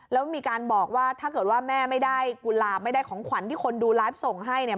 แล้วมีการบอกว่าถ้าเกิดว่าแม่ไม่ได้กุหลาบไม่ได้ของขวัญที่คนดูไลฟ์ส่งให้เนี่ย